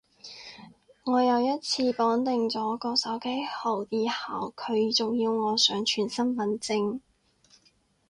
我有一次綁定咗個手機號以後，佢仲要我上傳身份證